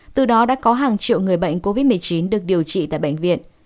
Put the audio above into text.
từ đó đã có hàng triệu người bệnh covid một mươi chín được điều trị tại bệnh viện